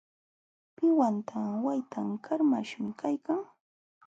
Pinawpa waytan qarmaśhmi kaykan.